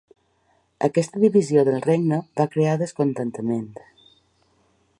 Aquesta divisió del regne va crear descontentament.